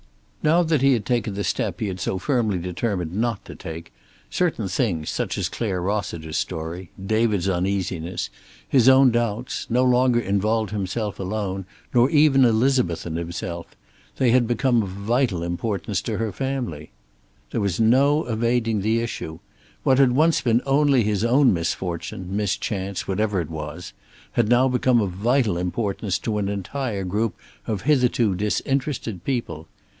Now that he had taken the step he had so firmly determined not to take, certain things, such as Clare Rossiter's story, David's uneasiness, his own doubts, no longer involved himself alone, nor even Elizabeth and himself. They had become of vital importance to her family. There was no evading the issue. What had once been only his own misfortune, mischance, whatever it was, had now become of vital importance to an entire group of hitherto disinterested people.